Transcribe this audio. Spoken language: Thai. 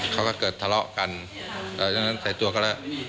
เขาก็เกิดทะเลาะกันอย่างนั้นใส่ตัวก็แล้ว